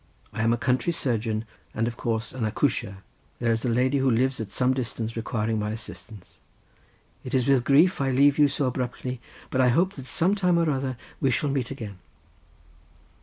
I am a country surgeon, and of course an accoucheur. There is a lady who lives at some distance, requiring my assistance. It is with grief I leave you so abruptly, but I hope that some time or other we shall meet again."